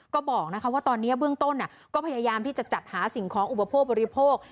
ก็บอกว่าตอนนี้เบื้องต้นก็พยายามที่จะจัดหาสิ่งของอุปโภคบริโภค